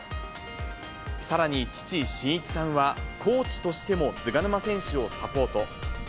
さらに、父、真一さんはコーチとしても菅沼選手をサポート。